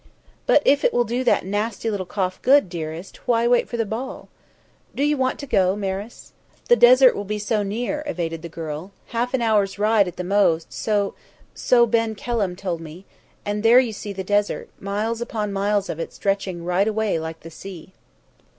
"But if it will do that nasty little cough good, dearest, why wait for the ball?" "Do you want to go, Maris?" "The desert will be so near," evaded the girl. "Half an hour's ride at the most, so so Ben Kelham told me, and there you see the desert, miles upon miles of it stretching right away like the sea."